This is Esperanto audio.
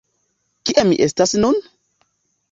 Kie mi estas nun?